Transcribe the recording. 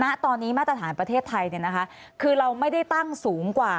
ณตอนนี้มาตรฐานประเทศไทยเนี่ยนะคะคือเราไม่ได้ตั้งสูงกว่า